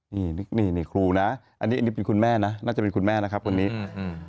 นี่นี่นี่ครูนะอันนี้อันนี้เป็นคุณแม่นะน่าจะเป็นคุณแม่นะครับคนนี้อืม